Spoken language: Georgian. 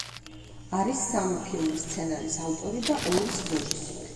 არის სამი ფილმის სცენარის ავტორი და ორის რეჟისორი.